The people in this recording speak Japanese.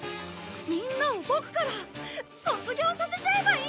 みんなをボクから卒業させちゃえばいいんだ！